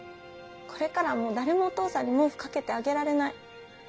これからはもう誰もお父さんに毛布掛けてあげられない。